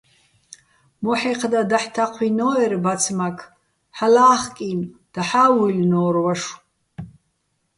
მოჰ̦ეჴდა დაჰ̦ თაჴვინო́ერ ბაცმაქ, ჰ̦ალო̆ ა́ხკინო̆, დაჰ̦ა́ ვუჲლლნო́რ ვაშო̆.